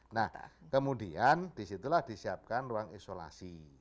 nah kemudian disitulah disiapkan ruang isolasi